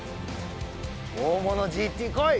大物ＧＴ来い！